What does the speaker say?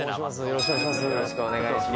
よろしくお願いします